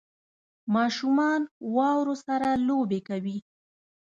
ماشومان واورو سره لوبې کوي